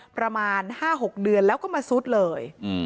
ประมาณ๕๖เดือนแล้วก็มาซุดเลย